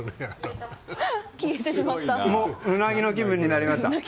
ウナギの気分になりました。